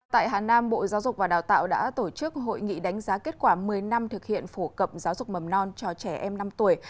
tại hà nam bộ giáo dục và đào tạo đã tổ chức hội nghị đánh giá kết quả một mươi năm thực hiện phổ cập giáo dục mầm non cho trẻ em năm tuổi